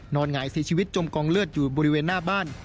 หงายเสียชีวิตจมกองเลือดอยู่บริเวณหน้าบ้าน